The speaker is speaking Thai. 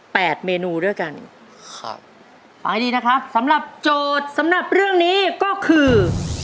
เมนูด้วยกันครับฟังให้ดีนะครับสำหรับโจทย์สำหรับเรื่องนี้ก็คือ